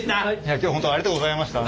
今日本当ありがとうございました。